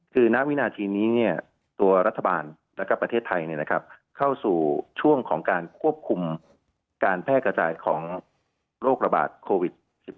คือณวินาทีนี้ตัวรัฐบาลและประเทศไทยเข้าสู่ช่วงของการควบคุมการแพร่กระจายของโรคระบาดโควิด๑๙